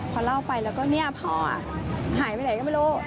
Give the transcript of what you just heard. พอเล่าไปแล้วก็เนี่ยพ่อหายไปไหนก็ไม่รู้